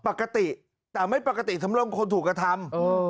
ปกติแต่ไม่ปกติสำรงคนถูกกระทำ